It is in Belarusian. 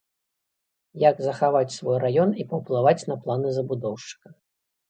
Як захаваць свой раён і паўплываць на планы забудоўшчыка.